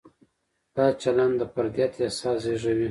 دا چلند د فردیت احساس زېږوي.